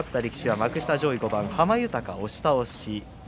幕下上位５番濱豊、押し倒し。